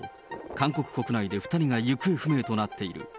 韓国国内で２人が行方不明となっている。